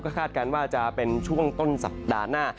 คาดการณ์ว่าจะเป็นช่วงต้นสัปดาห์หน้า